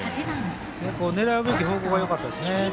狙うべき方向がよかったですね。